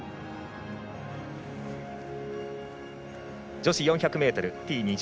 女子４００ｍＴ２０